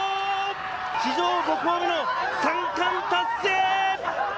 史上５校目の三冠達成。